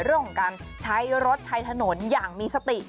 เรื่องของการใช้รถใช้ถนนอย่างมีสติ